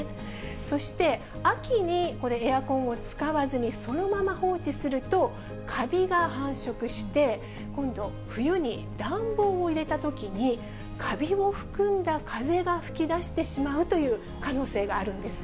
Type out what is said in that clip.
そして秋にこれ、エアコンを使わずにそのまま放置すると、カビが繁殖して、今度、冬に暖房を入れたときに、カビを含んだ風が吹き出してしまうという可能性があるんです。